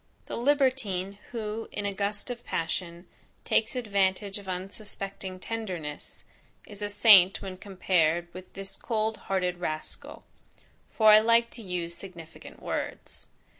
The libertine who in a gust of passion, takes advantage of unsuspecting tenderness, is a saint when compared with this cold hearted rascal; for I like to use significant words.